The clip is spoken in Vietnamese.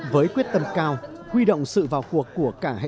với quyết tâm cao huy động sự vào cuộc của cả hệ thống